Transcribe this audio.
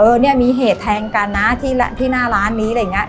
เนี่ยมีเหตุแทงกันนะที่หน้าร้านนี้อะไรอย่างเงี้